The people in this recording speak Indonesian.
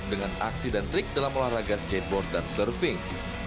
dengan aksi dan trik dalam olahraga skateboard dan surfing